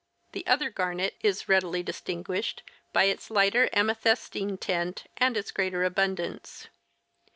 The other garnet is readily distinguished by its lighter amethystine tint and its greater abundance.